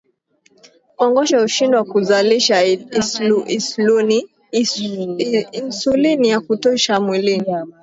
kongosho hushindwa kuzalisha insulini ya kutosha mwilini